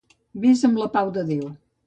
Ves amb la pau de Déu.